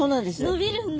伸びるんだ。